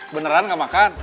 beneran gak makan